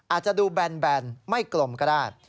อาจจะดูแบนไม่กลมก็ได้